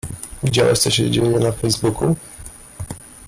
Widziałaś, co się dzieje na Facebooku?